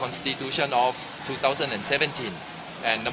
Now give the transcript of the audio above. คุณคิดเรื่องนี้ได้ไหม